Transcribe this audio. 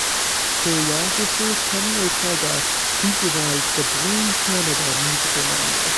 Choreographer Kenny Ortega supervised the "Blame Canada" musical number.